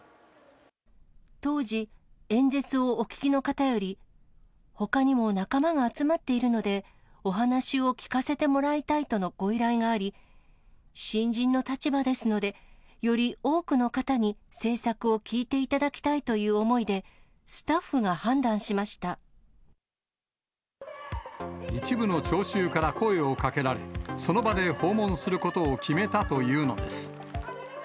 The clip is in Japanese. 当時、演説をお聞きの方より、ほかにも仲間が集まっているので、お話を聞かせてもらいたいとのご依頼があり、新人の立場ですので、より多くの方に政策を聞いていただきたいという思いで、スタッフ一部の聴衆から声をかけられ、その場で訪問することを決めたというのです。